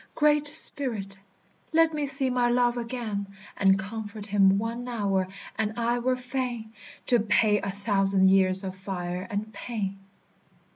"Great Spirit! Let me see my love again And comfort him one hour, and I were fain To pay a thousand years of fire and pain."